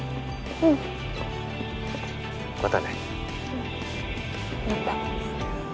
うんまた。